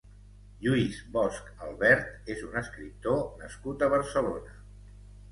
Lluís Bosch Albert és un escriptor nascut a Barcelona.